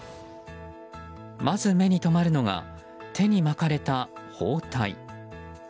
まず、目に留まるのが手に巻かれた包帯。